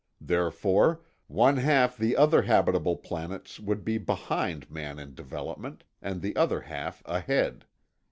Therefore, one half the other habitable planets would be behind man in development, and the other half ahead.